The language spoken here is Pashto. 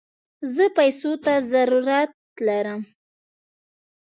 زه پيسوته ضرورت لم